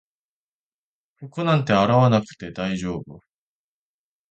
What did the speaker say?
服なんて洗わなくて大丈夫